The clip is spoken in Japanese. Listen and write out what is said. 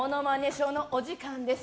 ショーのお時間です。